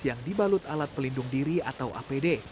yang dibalut alat pelindung diri atau apd